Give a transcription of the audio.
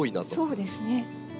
そうですね。